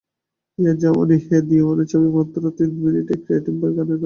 ইয়ে জাওয়ানি হ্যায় দিওয়ানি ছবিতে মাত্র তিন মিনিটের একটি আইটেম গানের নাচ।